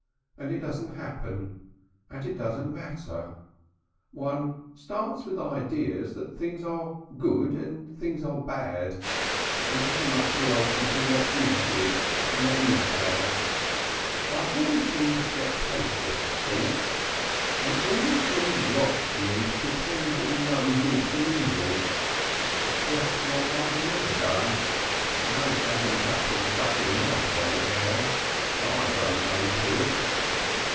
And it doesn't happen. And it doesn't matter. One starts with ideas that things are good and things are bad and it hasn't much relation to what is good and what is bad. I've always been the skeptaceous sort, and it's always seemed rot to me to pretend we know good from evil. It's just what I've never done. No Adam's apple stuck in my throat, ma'am. I don't own to it."